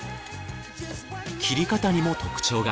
切り方にも特徴が。